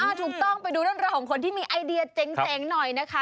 ถูกต้องไปดูเรื่องราวของคนที่มีไอเดียเจ๋งหน่อยนะคะ